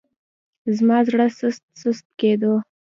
زما زړه سست سست کېدو.